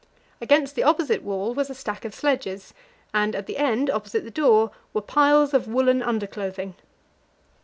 Against the opposite wall was a stack of sledges, and at the end, opposite the door, were piles of woollen underclothing.